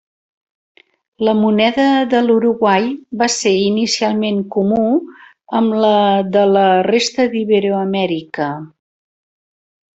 La moneda de l'Uruguai va ser inicialment comú amb la de la resta d'Iberoamèrica.